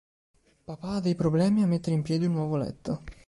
Papà ha dei problemi a mettere in piedi un nuovo letto.